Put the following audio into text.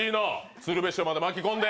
鶴瓶師匠まで巻き込んで！